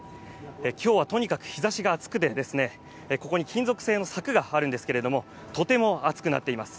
今日はとにかく日ざしが暑くて、ここに金属製の柵があるんですけれども、とても熱くなっています。